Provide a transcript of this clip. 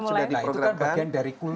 sudah nah itu kan bagian dari kultur